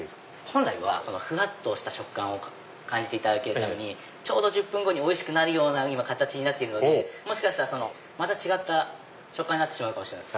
本来はふわっとした食感を感じていただくためにちょうど１０分後においしくなる形になってるのでもしかしたら違った食感になってしまうかもしれない。